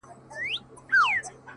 زه يم دا مه وايه چي تا وړي څوك؛